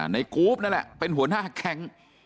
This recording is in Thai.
กรูปนั่นแหละเป็นหัวหน้าแค้ง